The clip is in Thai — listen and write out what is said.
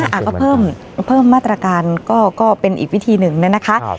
อ่ะก็เพิ่มมาตรการก็เป็นอีกวิธีหนึ่งนะคะ